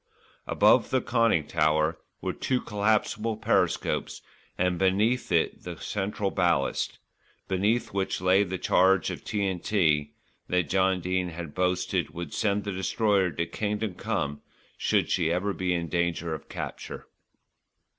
Above the conning tower were two collapsible periscopes, and beneath it the central ballast, beneath which lay the charge of T.N.T. that John Dene had boasted would send the Destroyer to Kingdom Come should she ever be in danger of capture.